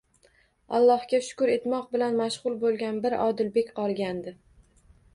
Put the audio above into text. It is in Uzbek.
Allohga shukr etmoq bilan mashg'ul bo'lgan bir Odilbek qolgandi.